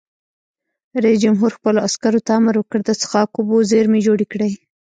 رئیس جمهور خپلو عسکرو ته امر وکړ؛ د څښاک اوبو زیرمې جوړې کړئ!